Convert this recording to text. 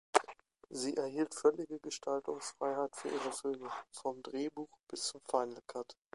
Sie erhielt völlige Gestaltungsfreiheit für ihre Filme, vom Drehbuch bis zum Final Cut.